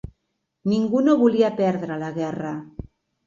Ningú no volia perdre la guerra